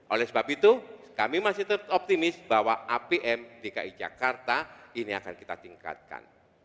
oleh sebab itu kami masih teroptimis bahwa apm di ki jakarta ini akan kita tingkatkan